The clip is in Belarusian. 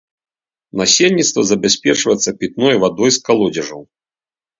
Насельніцтва забяспечваецца пітной вадой з калодзежаў.